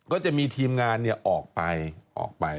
ก็จะมีทีมงานออกไป